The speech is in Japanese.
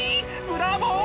ブラボー！